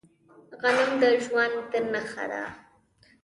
غنم د ژوند نښه ده.